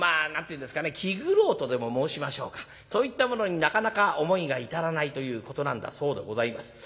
気苦労とでも申しましょうかそういったものになかなか思いが至らないということなんだそうでございます。